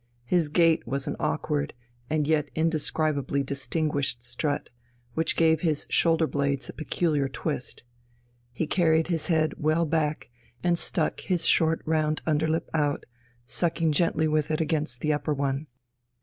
His gait was an awkward and yet indescribably distinguished strut, which gave his shoulder blades a peculiar twist. He carried his head well back and stuck his short round underlip out, sucking gently with it against the upper one.